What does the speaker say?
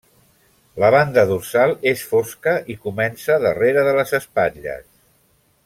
La banda dorsal és fosca i comença darrere de les espatlles.